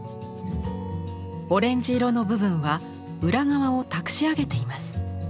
オレンジ色の部分は裏側をたくし上げています。